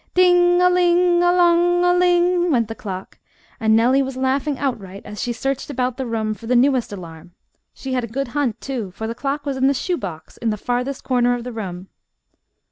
"Ding a ling a long a ling!" went the clock, and Nellie was laughing outright, as she searched about the room for the newest alarm. She had a good hunt, too, for the clock was in the shoe box in the farthest corner of the room.